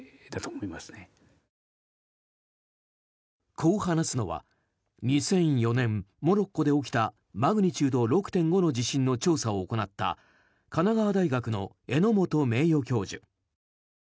こう話すのは、２００４年モロッコで起きたマグニチュード６．５の地震の調査を行った神奈川大学の荏本名誉教授。